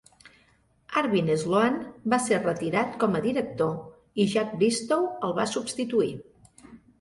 Arvin Sloane va ser retirat com a director i Jack Bristow el va substituir.